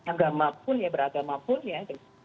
agama pun ya beragama pun ya